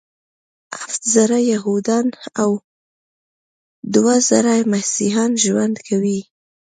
هفت زره یهودان او دوه زره مسیحیان ژوند کوي.